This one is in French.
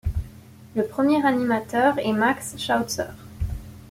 Le premier animateur est Max Schautzer.